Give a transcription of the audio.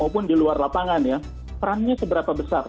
perannya seberapa besar